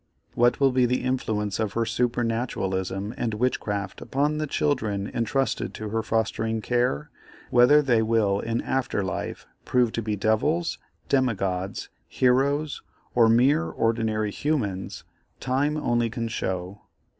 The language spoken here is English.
What will be the influence of her supernaturalism and witchcraft upon the children intrusted to her fostering care—whether they will in after life prove to be devils, demi gods, heroes, or mere ordinary "humans," time alone can show.